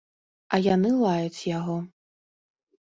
А яны лаюць яго.